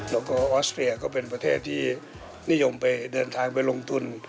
แล้วก็ออสเตรียก็เป็นประเทศที่นิยมไปเดินทางไปลงทุน